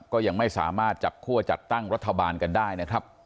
ก็ยังไม่สามารถจับคั่วจัดตั้งรัฐบาลกันได้นะครับ